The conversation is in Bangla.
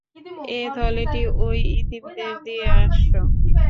এ থলেটি ঐ এতীমদের দিয়ে আস।